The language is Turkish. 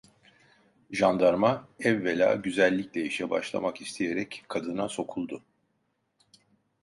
Jandarma, evvela güzellikle işe başlamak isteyerek kadına sokuldu.